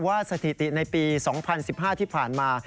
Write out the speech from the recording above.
สถิติในปี๒๐๑๕ที่ผ่านมา